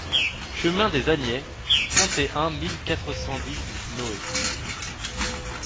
Chemin des Agnets, trente et un mille quatre cent dix Noé